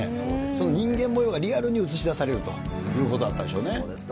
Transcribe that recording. その人間もようがリアルに映し出されるということだったんでそうですね。